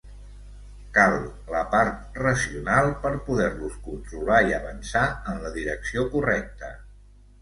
Cal la part racional per poder-los controlar i avançar en la direcció correcta.